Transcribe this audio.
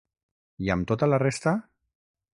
I amb tota la resta?